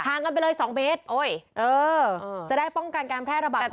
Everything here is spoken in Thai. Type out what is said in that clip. ห่างกันไปเลย๒เมตรจะได้ป้องกันการแพร่ระบาดของโควิด๙